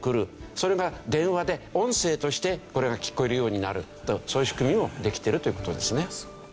それが電話で音声としてこれが聞こえるようになるとそういう仕組みもできてるという事ですね。